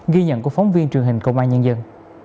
ghi nhận của phóng viên truyền hình công an nhân dân